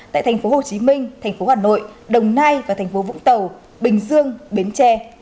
tại tp hcm tp hcm đồng nai và tp vũng tàu bình dương bến tre